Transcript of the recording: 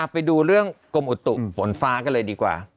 ไปดูเรื่องกรมอุตุฝนฟ้ากันเลยดีกว่า